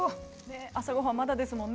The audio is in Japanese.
朝ごはんまだですものね。